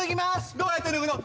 どうやって脱ぐの？